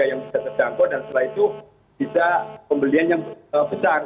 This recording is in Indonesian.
yang bisa terjangkau dan setelah itu bisa pembelian yang besar